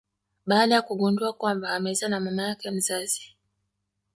baada ya kugundua kwamba amezaa na mama yake mzazi.